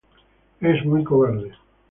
Es muy cobarde.